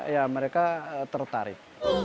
ya mereka tertarik